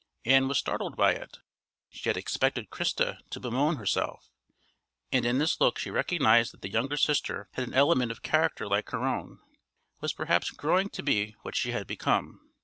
Ann was startled by it; she had expected Christa to bemoan herself, and in this look she recognised that the younger sister had an element of character like her own, was perhaps growing to be what she had become.